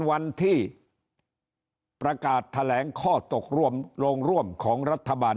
วันที่ประกาศแถลงข้อตกร่วมโรงร่วมของรัฐบาล